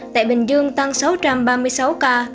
tại bình dương tăng sáu trăm ba mươi sáu ca